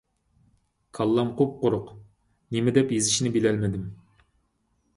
كاللام قۇپقۇرۇق! نېمىدەپ يېزىشنى بىلمىدىم.